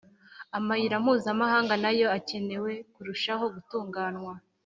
amayira mpuzamahanga na yo akeneye kurushaho gutunganywa